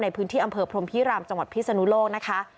ในพื้นที่อำเภอพรมพิรามจังหวัดพิศนุโลกนะคะ